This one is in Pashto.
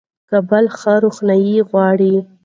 کابل ښه روښنايي غواړي.